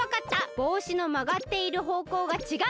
ぼうしのまがっているほうこうがちがう。